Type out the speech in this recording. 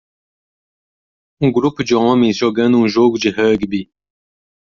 Um grupo de homens jogando um jogo de rugby.